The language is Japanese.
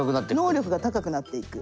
能力が高くなっていく。